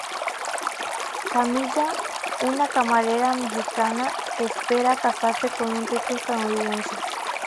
Camilla, una camarera mexicana, espera casarse con un rico estadounidense.